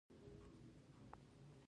باران د افغانستان د ملي هویت یوه نښه ده.